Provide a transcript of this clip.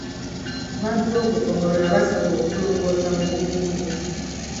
Abantu b'oku ggombolola baasaba okulongoosa mu bukuumi.